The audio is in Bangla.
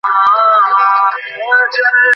এক ব্যক্তি এ সুসংবাদ আসিয়াকে গিয়ে জানাল।